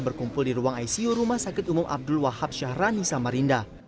berkumpul di ruang icu rumah sakit umum abdul wahab syahrani samarinda